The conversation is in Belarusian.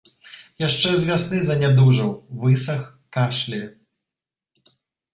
Яшчэ з вясны занядужаў, высах, кашляе.